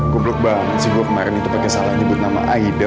gublok banget sih gue kemarin itu pakai salah nyebut nama aida